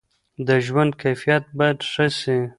د ژوند کیفیت باید ښه سي.